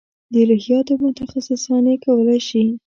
د الهیاتو متخصصان یې کولای شي.